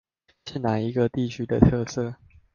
是那一個地區的特色？